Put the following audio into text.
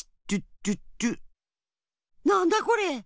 なんだこれ！